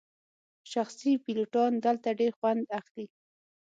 شخصي پیلوټان دلته ډیر خوند اخلي